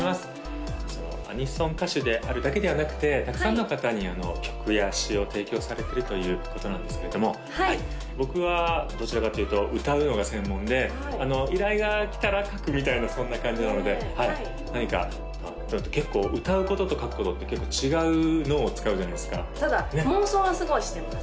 アニソン歌手であるだけではなくてたくさんの方に曲や詞を提供されてるということなんですけども僕はどちらかというと歌うのが専門で依頼が来たら書くみたいなそんな感じなので何か結構歌うことと書くことって結構違う脳を使うじゃないですかただ妄想はすごいしてます